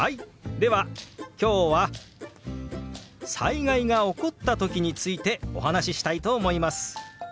では今日は災害が起こった時についてお話ししたいと思います。